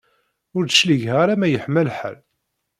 Ur d-cligeɣ ara ma yeḥma lḥal.